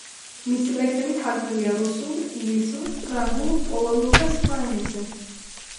მისი ლექსები თარგმნილია რუსულ, ინგლისურ, ფრანგულ, პოლონურ და სხვა ენებზე.